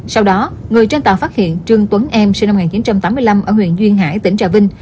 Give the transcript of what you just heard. sau đó người trên tàu phát hiện trương tuấn em sinh năm một nghìn chín trăm tám mươi năm ở huyện duyên hải tỉnh trà vinh